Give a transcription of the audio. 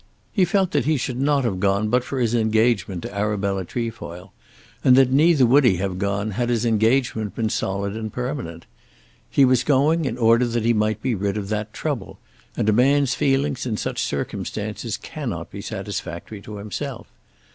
He felt that he should not have gone but for his engagement to Arabella Trefoil, and that neither would he have gone had his engagement been solid and permanent. He was going in order that he might be rid of that trouble, and a man's feelings in such circumstances cannot be satisfactory to himself.